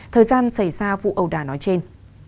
thời gian xảy ra vụ ẩu đả nói trên